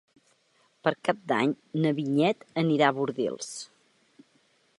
Per Cap d'Any na Vinyet anirà a Bordils.